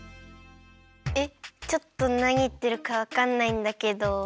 えっちょっとなにいってるかわかんないんだけど。